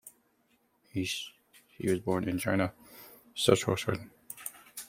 Nielsen was born in Regina, Saskatchewan.